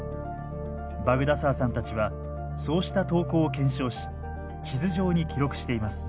バグダサーさんたちはそうした投稿を検証し地図上に記録しています。